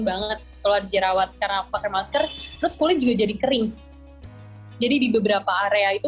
banget keluar jerawat karena pakai masker terus kulit juga jadi kering jadi di beberapa area itu